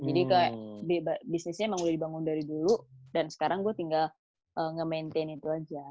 jadi kayak bisnisnya emang boleh dibangun dari dulu dan sekarang gue tinggal nge maintain itu aja